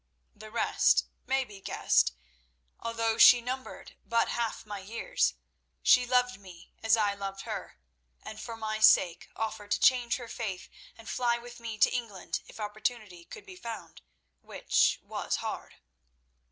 The rest may be guessed. Although she numbered but half my years, she loved me as I loved her, and for my sake offered to change her faith and fly with me to England if opportunity could be found, which was hard.